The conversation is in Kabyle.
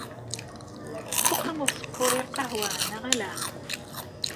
Tettuqameḍ sskeṛ i lqahwa neƔ ahaa?